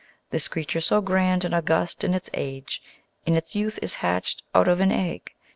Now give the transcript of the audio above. This creature so grand and august in its age, In its youth is hatched out of an egg.